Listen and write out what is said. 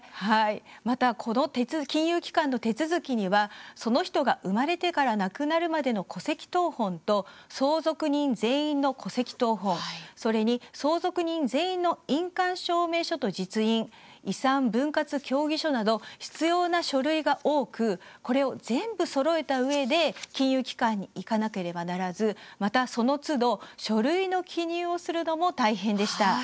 また金融機関の手続きにはその人が生まれてから亡くなるまでの戸籍謄本と相続人全員の戸籍謄本、それに相続人全員の印鑑証明書と実印遺産分割協議書など必要な書類が多くこれを全部そろえたうえで金融機関に行かなければならずまた、そのつど書類の記入をするのも大変でした。